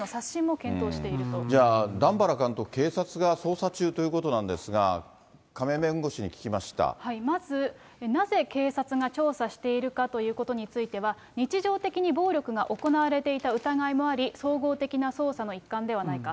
そして、じゃあ段原監督、警察が捜査中ということなんですが、まず、なぜ警察が調査しているかということについては、日常的に暴力が行われていた疑いもあり、総合的な捜査の一環ではないか。